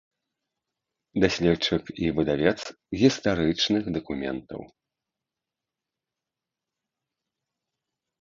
Даследчык і выдавец гістарычных дакументаў.